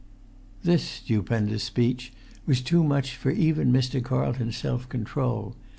This stupendous speech was too much for even Mr. Carlton's self control.